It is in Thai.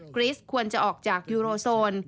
กริสควรจะออกจากยูโรโซน